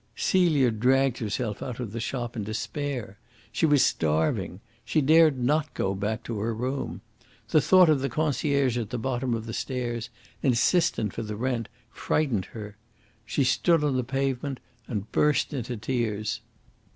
Celia dragged herself out of the shop in despair. She was starving. She dared not go back to her room. The thought of the concierge at the bottom of the stairs, insistent for the rent, frightened her. She stood on the pavement and burst into tears.